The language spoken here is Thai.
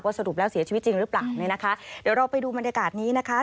สรุปแล้วเสียชีวิตจริงหรือเปล่าเนี่ยนะคะเดี๋ยวเราไปดูบรรยากาศนี้นะคะ